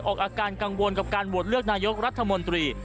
ออกอาการกังวลกับการโหวตเลือกนายกรัฐมนตรี